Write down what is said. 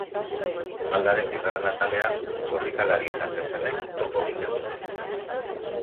Maldaren bigarren atalean, korrikalari eta zezenek topo egiten dute.